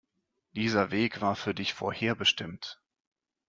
Dieser Weg war für dich vorherbestimmt.